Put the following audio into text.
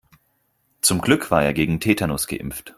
Zum Glück war er gegen Tetanus geimpft.